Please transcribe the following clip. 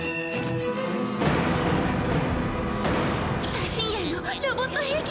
最新鋭のロボット兵器です。